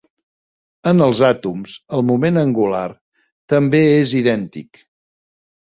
En els àtoms el moment angular també és idèntic.